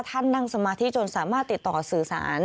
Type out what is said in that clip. นั่งสมาธิจนสามารถติดต่อสื่อสาร